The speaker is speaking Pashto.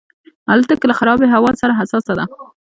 الوتکه له خرابې هوا سره حساسه ده.